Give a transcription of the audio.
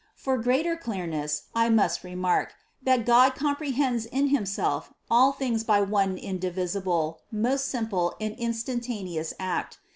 For greater clearness, I must remark, that God comprehends in Himself all things by one indivisible, most simple and instantaneous act.